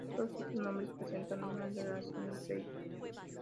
Todos estos nombres presentan una relación entre ellos.